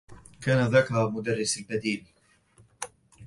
كان ذاك مدرّسي البديل.